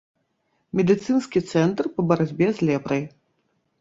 Медыцынскі цэнтр па барацьбе з лепрай.